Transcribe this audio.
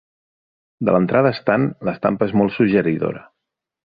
De l'entrada estant, l'estampa és molt suggeridora.